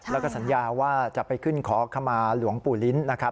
แล้วก็สัญญาว่าจะไปขึ้นขอขมาหลวงปู่ลิ้นนะครับ